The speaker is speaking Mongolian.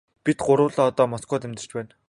Бид гурвуулаа одоо Москвад амьдарч байна.